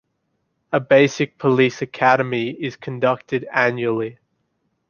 A Basic Police Academy is conducted annually.